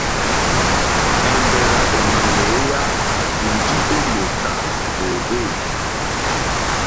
Èmbèrzà èmà ŋwěyá ndí ó mòtà hwòhwê.